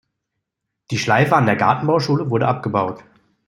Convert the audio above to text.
Die Schleife an der Gartenbauschule wurde abgebaut.